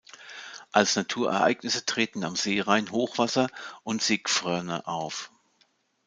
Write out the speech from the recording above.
Als Naturereignisse treten am Seerhein Hochwasser und Seegfrörne auf.